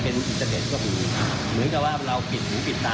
เราจะทำตามภาพจริง